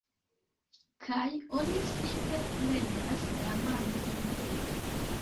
kaj oni simple levas la manojn